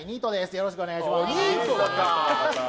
よろしくお願いします。